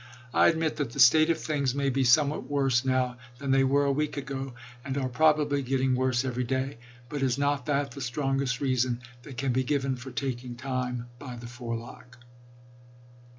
... I admit that the state of things Black to may ^e somewhat worse now than they were a week ago, jan'ie'isei a are Pr°kably getting worse every day; but is not w. k 'vol. that the strongest reason that can be given for taking '' *U2. ~ time by the forelock